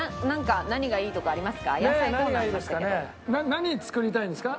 何作りたいんですか？